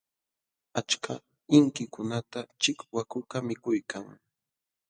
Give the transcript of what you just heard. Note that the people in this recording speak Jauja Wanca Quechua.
Achka inkikunata chiwakukaq mikuykan.